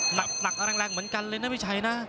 หนักแรงเหมือนกันเลยนะพี่ชัยนะ